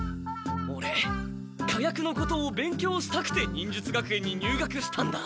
オレ火薬のことを勉強したくて忍術学園に入学したんだ。